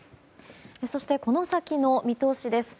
そして、この先の見通しです。